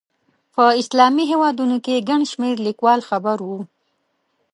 په اسلامي هېوادونو کې ګڼ شمېر لیکوال خبر وو.